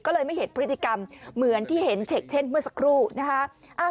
ก็เลยไม่เห็นพฤติกรรมเหมือนที่เห็นเฉกเช่นเมื่อสักครู่นะคะ